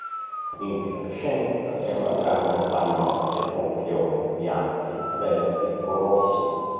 L'infiorescenza è una grande pannocchia con fiori bianchi, verdi o rossi.